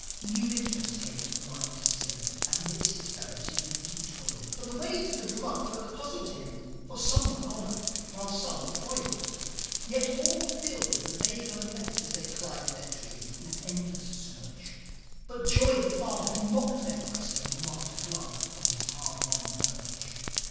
New interest came to the mind of Sym, As 'midst his fellows he lived and toiled. But the ways of the Glug folk puzzled him; For some won honour, while some were foiled; Yet all were filled with a vague unrest As they climbed their trees in an endless search. But joi, the father, he mocked their quest, When he marked a Glug on his hard won perch.